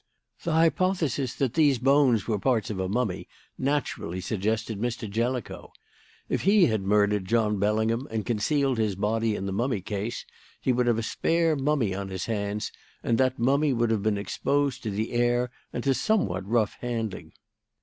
"The hypothesis that these bones were parts of a mummy naturally suggested Mr. Jellicoe. If he had murdered John Bellingham and concealed his body in the mummy case, he would have a spare mummy on his hands, and that mummy would have been exposed to the air and to somewhat rough handling.